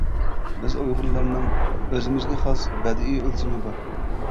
بىز ئۇيغۇرلارنىڭ ئۆزىمىزگە خاس بەدىئىي ئۆلچىمى بار.